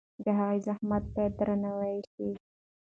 د هغه زحمت باید درناوی شي.